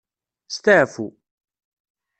Staɛfu